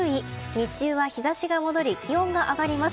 日中は日差しが戻り気温が上がります。